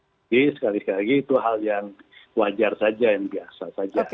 jadi sekali sekali lagi itu hal yang wajar saja yang biasa saja